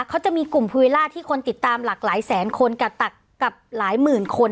เขาจะมีกลุ่มภูวิลล่าที่คนติดตามหลากหลายแสนคนกับตักกับหลายหมื่นคน